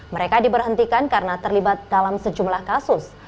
mereka diberhentikan karena terlibat dalam sejumlah kasus